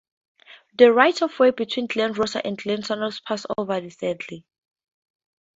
The right-of-way between Glen Rosa and Glen Sannox passes over The Saddle.